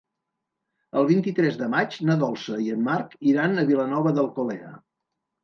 El vint-i-tres de maig na Dolça i en Marc iran a Vilanova d'Alcolea.